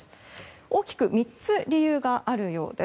大きく３つ理由があるようです。